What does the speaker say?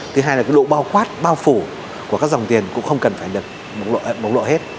thứ hai là độ bao quát bao phủ của các dòng tiền cũng không cần phải được bộc lộ hết